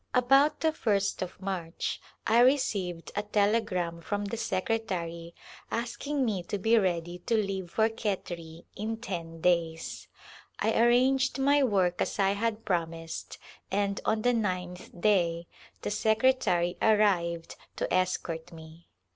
About the first of xVIarch I received a telegram from the secretary asking me to be ready to leave for Khetri in ten days. I arranged my work as I had promised and on the ninth day the secretary arrived to escort me.